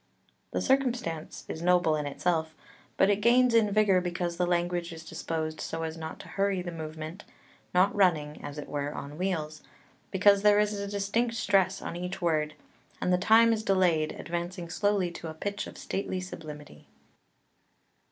The circumstance is noble in itself, but it gains in vigour because the language is disposed so as not to hurry the movement, not running, as it were, on wheels, because there is a distinct stress on each word, and the time is delayed, advancing slowly to a pitch of stately sublimity.